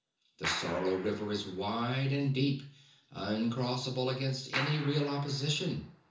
The Sarlo River is wide and deep, uncrossable against any real opposition.